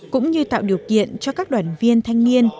cũng như tạo điều kiện cho các đoàn viên thanh niên